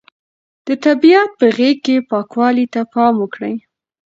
د طبیعت په غېږ کې پاکوالي ته پام وکړئ.